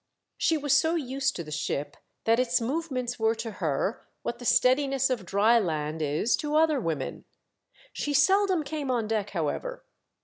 She was so used to the ship that its movements were to her what the steadiness of dry land is to other women. She seldom came on deck however.